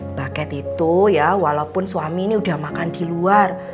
bucket itu ya walaupun suami ini udah makan di luar